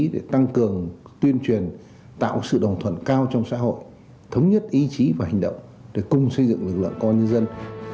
để tạo sự đồng thuận cao trong xã hội thống nhất ý chí và hành động để cùng xây dựng lực lượng công an nhân dân